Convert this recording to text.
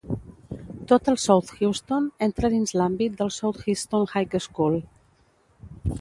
Tot el South Houston entra dins l'àmbit del South Houston High School.